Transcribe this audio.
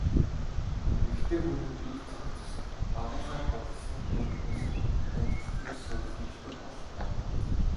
Эмэгтэй хүний бие цогцос багынхаа гунхсан хөөрхнөөс танигдахгүй эрс хувирах нь элбэг бололтой.